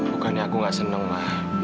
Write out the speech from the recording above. bukannya aku nggak seneng ma